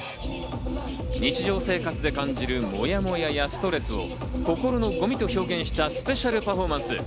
日常生活で感じるモヤモヤやストレスを心のゴミと表現したスペシャルパフォーマンス。